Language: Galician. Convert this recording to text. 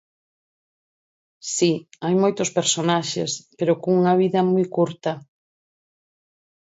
Si, hai moitos personaxes, pero cunha vida moi curta.